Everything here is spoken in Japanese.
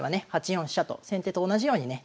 ８四飛車と先手と同じようにね